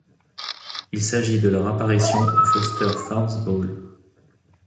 Il s'agit de leur apparition au Foster Farms Bowl.